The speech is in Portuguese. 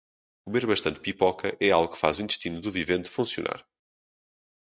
Comer bastante pipoca é algo que faz o intestino do vivente funcionar.